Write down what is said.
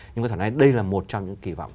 nhưng có thể nói đây là một trong những kỳ vọng